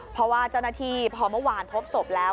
เพราะว่าเจ้าหน้าที่พอเมื่อวานพบศพแล้ว